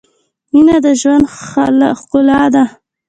مینه د ژوند ښلا ده